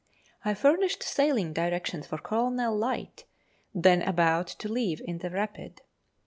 I furnished sailing directions for Colonel Light, then about to leave in the Rapid.